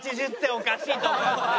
おかしいと思いますね。